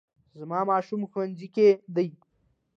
زما ماشوم ښوونځي کې دی